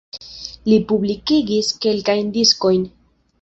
Li publikigis kelkajn diskojn.